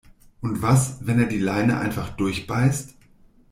Und was, wenn er die Leine einfach durchbeißt?